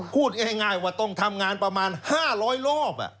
พูดง่ายว่าต้องทำงานประมาณ๕๐๐รอบ